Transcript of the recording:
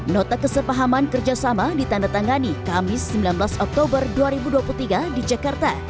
nota kesepahaman kerjasama ditandatangani kamis sembilan belas oktober dua ribu dua puluh tiga di jakarta